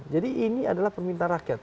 jadi ini adalah permintaan rakyat